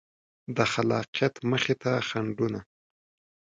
د خلاقیت مخې ته خنډونه